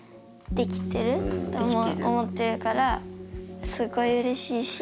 できてる。と思ってるからすごいうれしいし。